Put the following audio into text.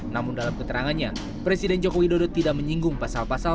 namun dalam keterangannya presiden joko widodo tidak menyinggung pasal pasal